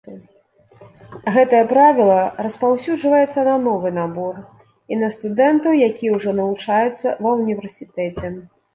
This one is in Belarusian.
Гэтае правіла распаўсюджваецца на новы набор і на студэнтаў, якія ўжо навучаюцца ва ўніверсітэце.